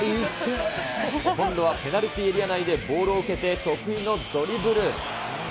今度はペナルティーエリア内でボールを受けて、得意のドリブル。